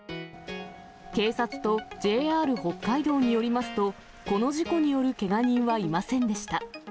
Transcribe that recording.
警察とＪＲ北海道によりますと、この事故によるけが人はいませんでした。